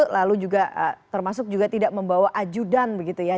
lalu juga termasuk juga tidak membawa ajudan begitu ya